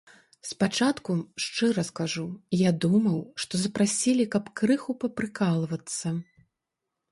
Спачатку, шчыра скажу, я думаў, што запрасілі, каб крыху папрыкалвацца.